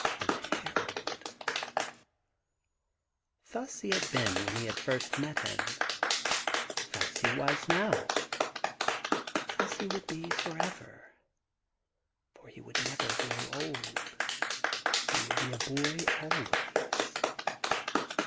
... And Harold !.•. Thus he had been when he had first met him ; thus he was now; thus he would be for everl For he would never grow old — he would be a boy always.